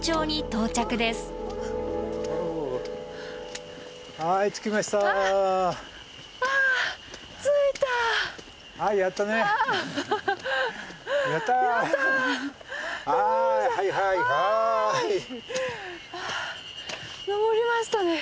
登りましたね。